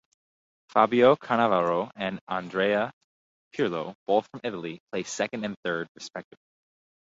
Fabio Cannavaro and Andrea Pirlo, both from Italy, placed second and third respectively.